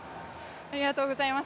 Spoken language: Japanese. ありがとうございます。